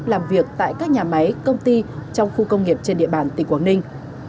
làm việc tại các nhà máy công ty trong khu công nghiệp trên địa bàn tỉnh quảng ninh